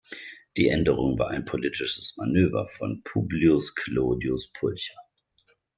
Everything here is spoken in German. Die Änderung war ein politisches Manöver von Publius Clodius Pulcher.